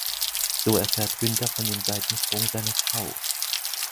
So erfährt Günther von dem Seitensprung seiner Frau.